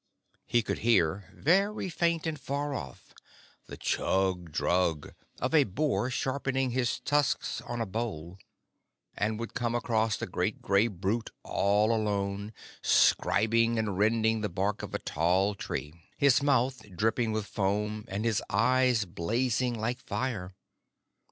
He would hear, very faint and far off, the chug drug of a boar sharpening his tusks on a bole; and would come across the great gray brute all alone, scribing and rending the bark of a tall tree, his mouth dripping with foam, and his eyes blazing like fire.